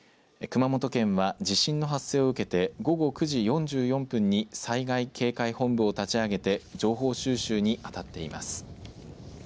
熊本県は地震の発生を受けて午後９時４４分に災害警戒本部を立ち上げて情報収集に当たっています。